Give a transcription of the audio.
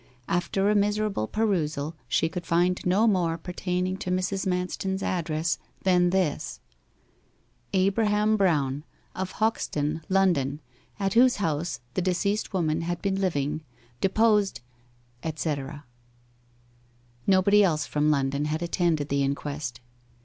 After a miserable perusal she could find no more pertaining to Mrs. Manston's address than this: 'ABRAHAM BROWN, of Hoxton, London, at whose house the deceased woman had been living, deposed,' etc. Nobody else from London had attended the inquest.